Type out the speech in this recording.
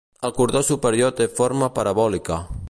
El cordó superior té forma parabòlica.